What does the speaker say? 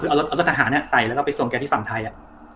คือเอารถทหารอะใส่แล้วก็ไปส่งแกที่ฝั่งไทยอะ